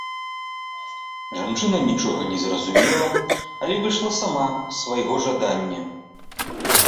Жанчына нічога не зразумела, але выйшла сама, з свайго жадання.